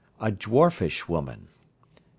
A dwarfish woman. 37.